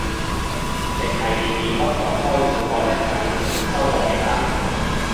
剩係念念不忘開會個靚仔，收咗皮喇